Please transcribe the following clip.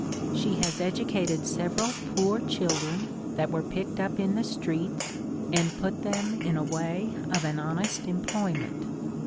She has edu cated several poor children that were picked up in the streets, and put them in a way of an honest employ ment.